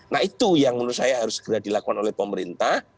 nah itu yang menurut saya harus segera dilakukan oleh pemerintah